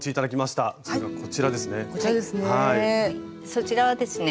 そちらはですね